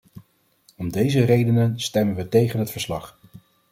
Om deze redenen stemmen we tegen het verslag.